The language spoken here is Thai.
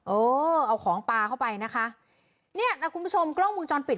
เออเอาของปลาเข้าไปนะคะเนี่ยนะคุณผู้ชมกล้องวงจรปิด